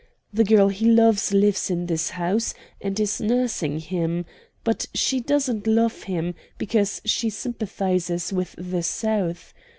The girl he loves lives in this house, and is nursing him; but she doesn't love him, because she sympathizes with the South.